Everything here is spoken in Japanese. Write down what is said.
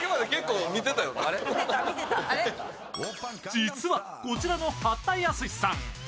実はこちらの八田靖史さん